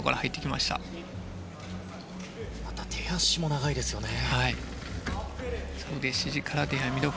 また手足も長いですね。